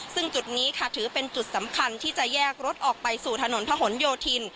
ซึ่งจุดนี้ค่ะถือเป็นจุดสำคัญที่จะแยกรถออกไปสู่ถนนพะหนโยธิน